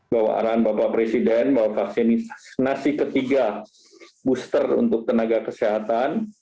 bahwa arahan bapak presiden bahwa vaksinasi ketiga booster untuk tenaga kesehatan